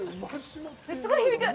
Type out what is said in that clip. すごい響く！